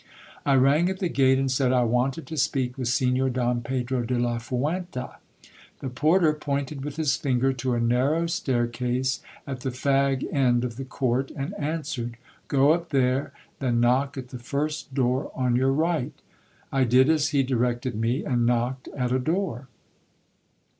I rang at the gate, and said, I wanted to speak with Signor Don Pedro de la Fuenta. The porter pointed with his finger to a narrow staircase at the fag end of the court, and answered — Go up there, then knock at the first door on your right I did as he directed me ; and knock THE JOURNE YMAN BARBERS STOR Y. 61 ed at a door.